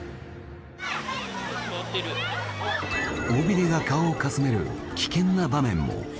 尾びれが顔をかすめる危険な場面も。